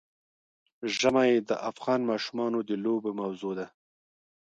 ژمی د افغان ماشومانو د لوبو موضوع ده.